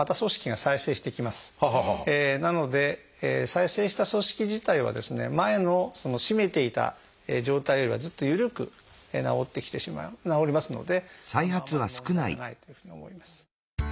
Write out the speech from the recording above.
なので再生した組織自体はですね前の締めていた状態よりはずっと緩く治りますのであまり問題がないというふうに思います。